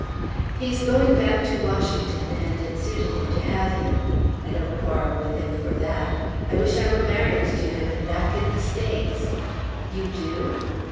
"He's going back to Washington and it suited him to have him. I don't quarrel with him for that. I wish I were married to him and back in the States." "You do?"